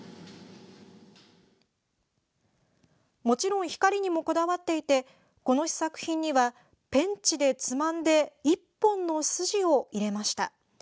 もちろん光にもこだわっていてこの試作品にはペンチでつまんで１本の筋を入れました。